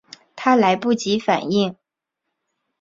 她来不及反应